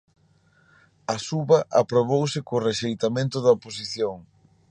A suba aprobouse co rexeitamento da oposición.